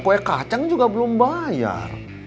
kue kacang juga belum bayar